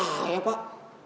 pelanin nih pak